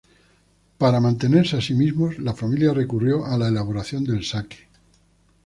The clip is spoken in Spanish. Para mantenerse a sí mismos, la familia recurrió a la elaboración del sake.